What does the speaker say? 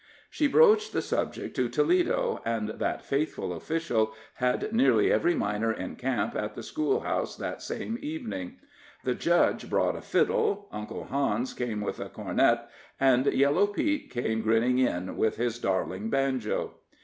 She broached the subject to Toledo, and that faithful official had nearly every miner in camp at the schoolhouse that same evening. The judge brought a fiddle, Uncle Hans came with a cornet, and Yellow Pete came grinning in with his darling banjo.